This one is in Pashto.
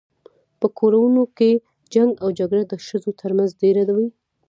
په کورونو کي جنګ او جګړه د ښځو تر منځ ډیره وي